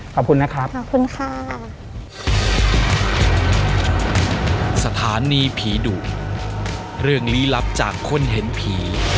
ขอบคุณนะครับขอบคุณค่ะขอบคุณค่ะ